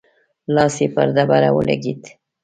لاس يې پر ډبره ولګېد.